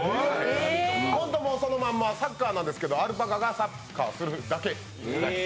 本当にそのままサッカーなんですけど、アルパカがサッカーするだけ。